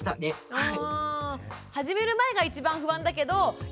はい。